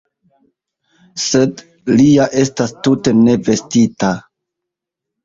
Sed li ja estas tute ne vestita!